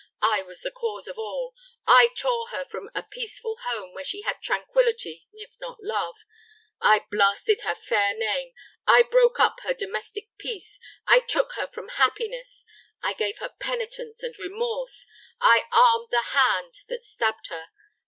I was the cause of all I tore her from a peaceful home, where she had tranquillity, if not love I blasted her fair name I broke up her domestic peace I took from her happiness I gave her penitence and remorse I armed the hand that stabbed her.